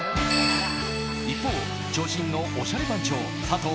一方、長身のおしゃれ番長佐藤